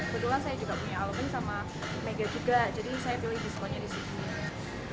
kebetulan saya juga punya alobank sama mega juga jadi saya pilih diskonnya di sini